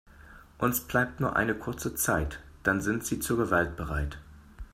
Uns bleibt nur eine kurze Zeit, dann sind sie zur Gewalt bereit.